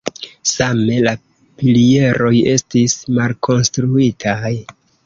Same la pilieroj estis malkonstruitaj.